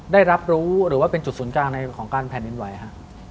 ได้รับรู้หรือว่าเป็นจุดศูนย์กลางในของการแผ่นดินไหวฮะ